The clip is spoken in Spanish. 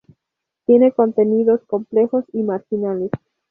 Tiene contenidos complejos y marginales.